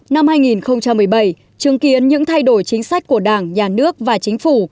năm hai nghìn một mươi bảy chứng kiến những thay đổi chính sách của đảng nhà nước và chính phủ